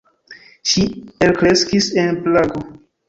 Ŝi elkreskis en Prago.